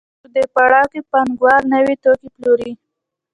په دې پړاو کې پانګوال نوي توکي پلوري